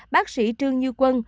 bác sĩ trương như quân